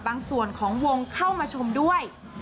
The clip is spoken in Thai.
บางส่วนของวงเข้ามาชมด้วย